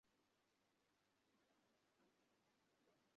এই তারাগুলি আমাদের ক্ষুদ্র ক্ষুদ্র সাংসারিক ভালবাসা।